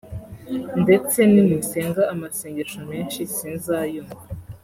ndetse nimusenga amasengesho menshi sinzayumva